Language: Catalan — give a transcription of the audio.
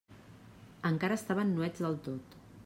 Encara estaven nuets del tot.